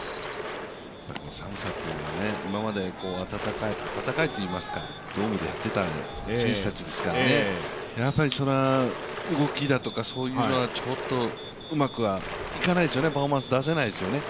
寒さというのも、今まで暖かいといいますか、ドームでやっていた選手たちですからやっぱりそれは動きだとか、そういうのはちょっとうまくはいかないですよね、パフォーマンス出せないですよね。